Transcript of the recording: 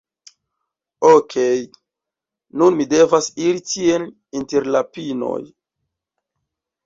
Okej, nun, mi devas iri tien, inter la pinoj.